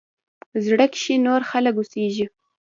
زړه کښې نور خلق اوسيږي